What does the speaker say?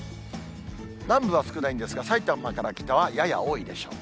南部は少ないんですが、さいたまから北はやや多いでしょう。